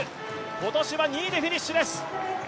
今年は２位でフィニッシュです。